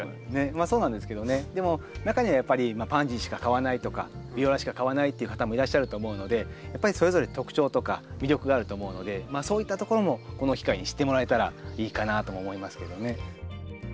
まあそうなんですけどねでも中にはやっぱりパンジーしか買わないとかビオラしか買わないっていう方もいらっしゃると思うのでやっぱりそれぞれ特徴とか魅力があると思うのでそういったところもこの機会に知ってもらえたらいいかなとも思いますけどね。